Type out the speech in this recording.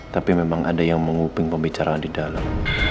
tapi memang ada yang menguping pembicaraan di dalam